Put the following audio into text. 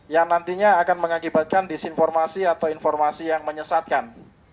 yang nantinya akan mengakibatkan disinformasi atau informasi yang menyesatkan